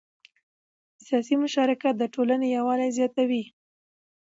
سیاسي مشارکت د ټولنې یووالی زیاتوي